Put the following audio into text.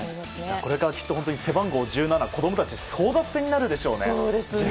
これからきっと背番号１７子供たち争奪戦になるでしょうね。